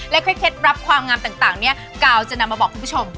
เคล็ดลับความงามต่างเนี่ยกาวจะนำมาบอกคุณผู้ชม